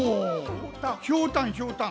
ひょうたんひょうたん。